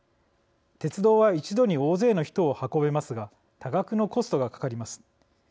鉄道は一度に大勢の人を運べますが多額のコストがかかります。